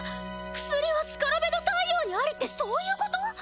「薬はスカラベの太陽にあり」ってそういうこと！？